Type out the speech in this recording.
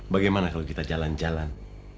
bagaimana kalau kita jalan jalan